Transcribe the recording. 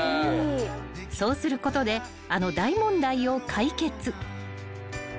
［そうすることであの大問題を解決］